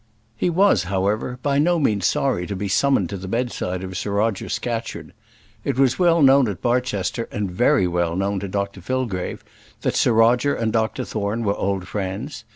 He was, however, by no means sorry to be summoned to the bedside of Sir Roger Scatcherd. It was well known at Barchester, and very well known to Dr Fillgrave, that Sir Roger and Dr Thorne were old friends.